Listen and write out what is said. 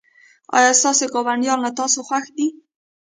ایا ستاسو ګاونډیان له تاسو خوښ دي؟